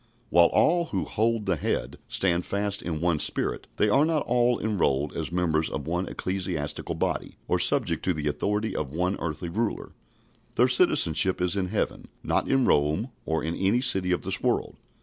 While all who "hold the Head" stand fast in one spirit, they are not all enrolled as members of one ecclesiastical body, or subject to the authority of one earthly ruler. Their citizenship is in heaven; not in Rome or in any city of this world.